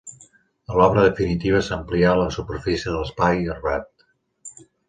A l'obra definitiva s'amplià la superfície de l'espai arbrat.